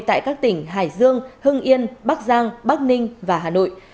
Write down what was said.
tại các tỉnh hải dương hưng yên bắc giang bắc ninh và hà nội